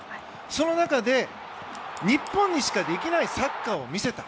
その中で日本にしかできないサッカーを見せた。